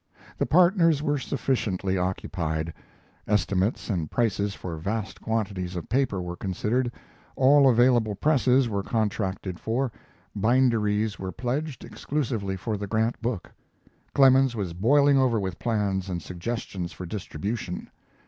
The partners were sufficiently occupied. Estimates and prices for vast quantities of paper were considered, all available presses were contracted for, binderies were pledged exclusively for the Grant book. Clemens was boiling over with plans and suggestions for distribution.